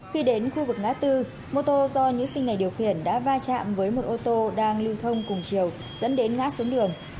khi đến khu vực ngã tư mô tô do nữ sinh này điều khiển đã va chạm với một ô tô đang lưu thông cùng chiều dẫn đến ngã xuống đường